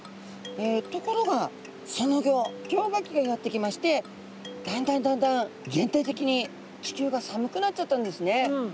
ところがそのギョ氷河期がやってきましてだんだんだんだん全体的に地球が寒くなっちゃったんですね。